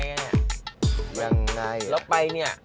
นี่นานมาแล้วฮะ